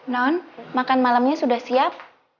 non makan malamnya sudah siap